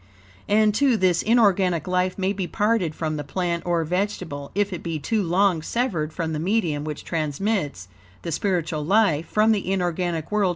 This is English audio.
And, too, this inorganic life may be parted from the plant or vegetable, if it be too long severed from the medium which transmits the spiritual life, from the inorganic world to that of organic matter.